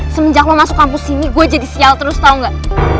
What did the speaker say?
semenjak lo masuk kampus sini gue jadi sial terus tahu nggak